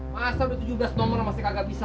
masa udah tujuh belas nomor masih agak bisa